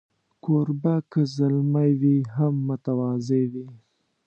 کوربه که زلمی وي، هم متواضع وي.